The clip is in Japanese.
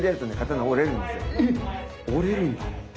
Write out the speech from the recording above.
えっ⁉折れるんだ。